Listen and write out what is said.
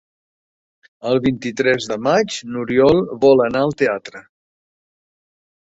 El vint-i-tres de maig n'Oriol vol anar al teatre.